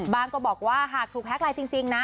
บางคนก็บอกว่าถ้าถูกแฮคไลน์จริงนะ